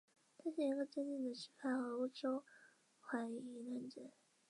他是一个坚定的右派和欧洲怀疑论者。